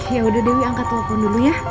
yaudah dewi angkat tombol dulu ya